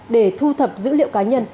để thu thập dữ liệu cá nhân